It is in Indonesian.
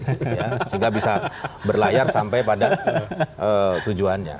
sehingga bisa berlayar sampai pada tujuannya